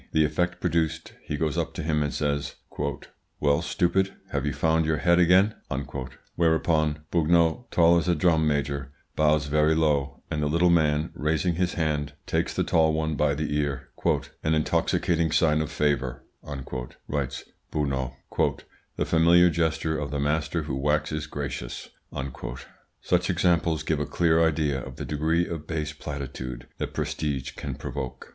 The effect produced, he goes up to him and says, "Well, stupid, have you found your head again?" Whereupon Beugnot, tall as a drum major, bows very low, and the little man raising his hand, takes the tall one by the ear, "an intoxicating sign of favour," writes Beugnot, "the familiar gesture of the master who waxes gracious." Such examples give a clear idea of the degree of base platitude that prestige can provoke.